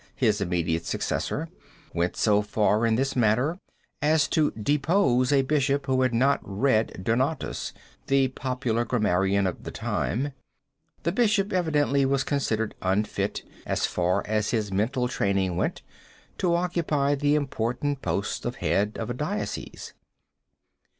his immediate successor, went so far in this matter as to depose a bishop who had not read Donatus, the popular grammarian of the time. The bishop evidently was considered unfit, as far as his mental training went, to occupy the important post of head of a diocese.